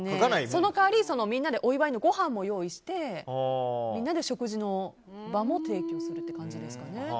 その代わり、みんなでお祝いのごはんも用意してみんなで食事の場も提供する感じですかね。